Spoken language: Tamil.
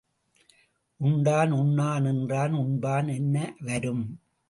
உண்டான், உண்ணா நின்றான், உண்பான் எனவரும்.